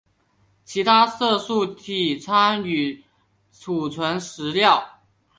其他色素体参与储存食料。